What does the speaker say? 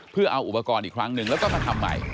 เพื่อเอาอุปกรณ์อีกครั้งหนึ่งแล้วก็มาทำใหม่